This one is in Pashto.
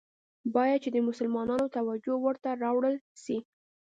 باید چي د مسلمانانو توجه ورته راوړوله سي.